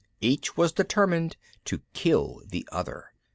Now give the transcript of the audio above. Each was determined to kill the other.